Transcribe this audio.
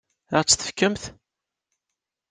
Ad ɣ-tt-tefkemt?